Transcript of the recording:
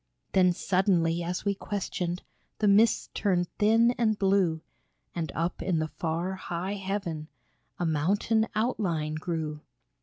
Then suddenly as we questioned The mists turned thin and blue, And up in the far, high heaven A mountain outline grew.